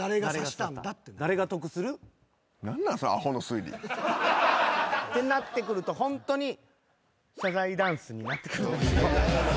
誰が得する？ってなってくるとホントに謝罪ダンスになってくる。